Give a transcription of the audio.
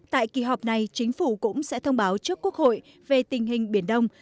tại kỳ họp này chính phủ cũng sẽ thông báo trước quốc hội về tình hình biển đông